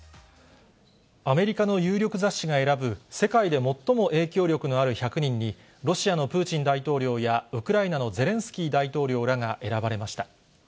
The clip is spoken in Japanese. アメリカの有力雑誌が選ぶ、世界で最も影響力のある１００人に、ロシアのプーチン大統領や、ウクライナのゼレンスキー大統領らが選ばれました。